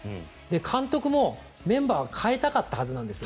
監督もメンバーを代えたかったはずなんですよ。